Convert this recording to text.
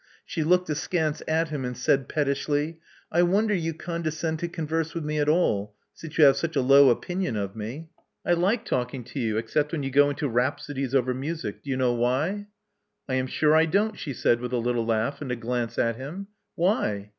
She looked askance at him, and said pettishly, I wonder you condescend to converse with me at all, since you have such a low opinion of me. " Love Among the Artists 231 •*I like talking to you — except when you go into rhapsodies over music. Do you know why?" I am sure I don't," she said, with a little laugh and a glance at him. Why?"